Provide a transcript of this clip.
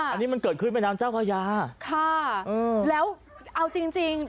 อันนี้มันเกิดขึ้นแม่น้ำเจ้าพญาค่ะอืมแล้วเอาจริงจริง